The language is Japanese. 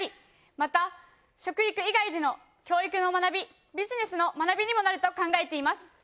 また食育以外での教育の学びビジネスの学びにもなると考えています。